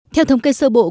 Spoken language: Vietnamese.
theo thông kê sơ bộ